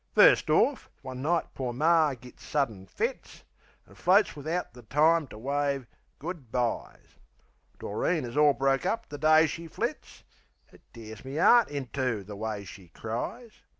First orf, one night poor Mar gits suddin fits, An' floats wivout the time to wave "good byes." Doreen is orl broke up the day she flits; It tears me 'eart in two the way she cries.